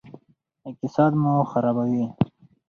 اقتصاد مو خرابوي.